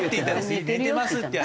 「寝てます」って。